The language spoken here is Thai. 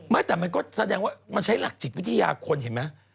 แต่มันก็แสดงว่ามันใช้หลักจิตวิทยาคนเห็นไหม